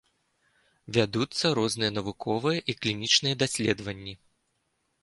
Вядуцца розныя навуковыя і клінічныя даследаванні.